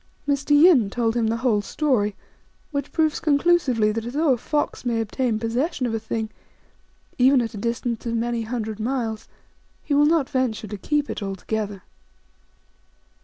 Mr. Yin told him the whole story, which proves conclusively that although a fox may obtain pos session of a thing, even at a distance of many hundred miles, he will not venture to keep it altogether.